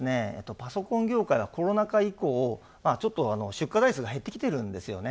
パソコン業界は、コロナ禍以降ちょっと出荷台数が減ってきているんですよね。